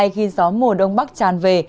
khi gió mùa đông bắc tràn về